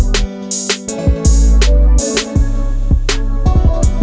kau bakal jawab